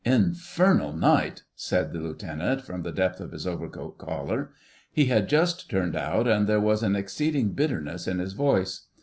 "Infernal night!" said the Lieutenant from the depths of his overcoat collar. He had just turned out, and there was an exceeding bitterness in his voice.